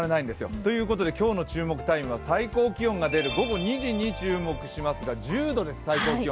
ということで今日の注目タイムは最高気温が出る午後２時に注目しますが、１０度です、最高気温。